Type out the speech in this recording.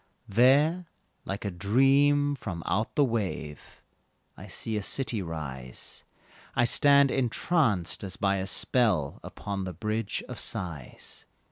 There, like a dream from out the wave, I see a city rise, I stand entranced, as by a spell, Upon the Bridge of Sighs.